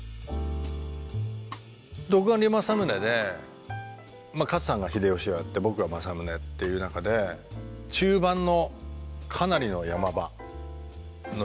「独眼竜政宗」で勝さんが秀吉をやって僕が政宗っていう中で中盤のかなりの山場のシーンがあるわけですよ。